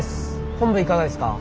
本部いかがですか？